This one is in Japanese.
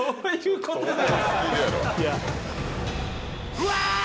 うわ！